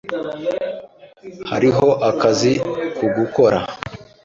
Hariho akazi ko gukora.